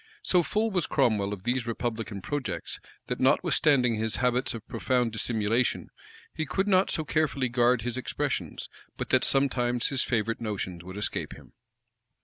[*] So full was Cromwell of these republican projects, that, notwithstanding his habits of profound dissimulation, he could not so carefully guard his expressions, but that sometimes his favorite notions would escape him.